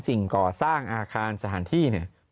สิ่งก่อสร้างอาคารสถานที่เนี่ย